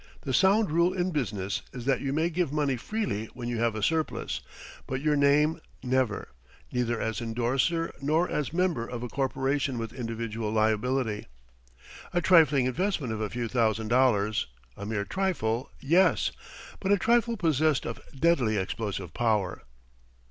The sound rule in business is that you may give money freely when you have a surplus, but your name never neither as endorser nor as member of a corporation with individual liability. A trifling investment of a few thousand dollars, a mere trifle yes, but a trifle possessed of deadly explosive power.